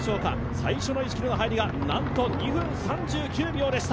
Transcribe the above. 最初の１ｋｍの入りがなんと２分３９秒でした。